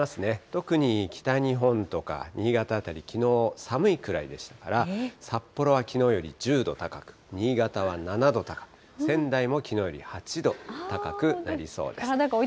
特に北日本とか新潟辺り、きのう寒いくらいでしたから、札幌はきのうより１０度高く、新潟は７度高く、仙台もきのうより８度高くなりそうです。